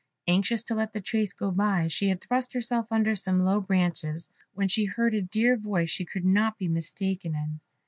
Anxious to let the chase go by, she had thrust herself under some low branches, when she heard a dear voice she could not be mistaken in.